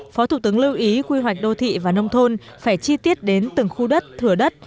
phó thủ tướng lưu ý quy hoạch đô thị và nông thôn phải chi tiết đến từng khu đất thừa đất